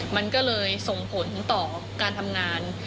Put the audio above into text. มันก็เลยส่งผลต่อการทำงาน